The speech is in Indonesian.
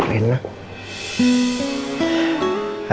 makan kan ya sama rena